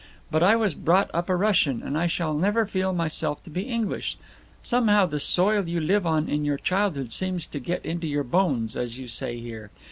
But I was brought up a Russian, and I shall never feel myself to be English. Somehow the soil you live on in your childhood seems to get into your bones, as you say here.